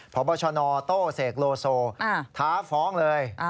พบชนโต้เสกโลโซท้าฟ้องเลย